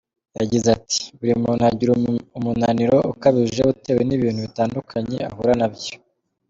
Yagize ati “Buri muntu agira umunaniro ukabije utewe n’ibintu bitandukanye ahura nabyo.